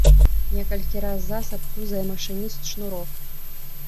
Некалькі раз засаб тузае машыніст шнурок.